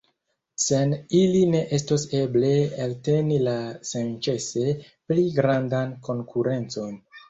Sen ili ne estos eble elteni la senĉese pli grandan konkurencon.